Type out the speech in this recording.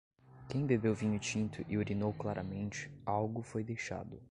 Quem bebeu vinho tinto e urinou claramente, algo foi deixado.